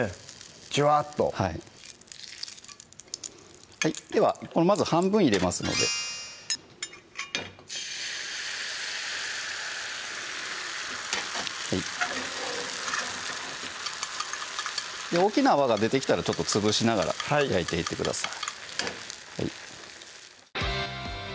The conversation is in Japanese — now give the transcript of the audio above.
ジュワッとはいではまず半分入れますので大きな泡が出てきたら潰しながら焼いていってください